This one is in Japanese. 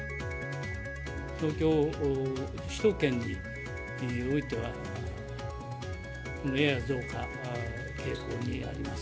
東京、首都圏においては、やや増加傾向にあります。